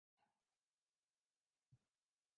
یہ لوگ کسی کو کیا منہ دکھائیں گے؟